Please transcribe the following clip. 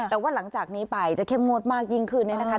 แต่ว่าหลังจากนี้ไปจะเข้มงวดมากยิ่งขึ้นเนี่ยนะคะ